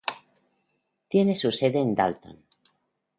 Tiene su sede en Dalton.